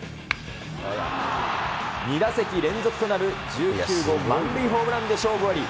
２打席連続となる１９号満塁ホームランで勝負あり。